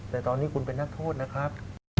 แต่ตอนนี้คุณเป็นนักโทษนะครับ